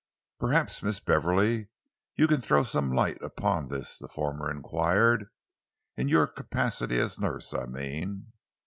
"Perhaps, Miss Beverley, you can throw some light upon this?" the former enquired "in your capacity as nurse, I mean."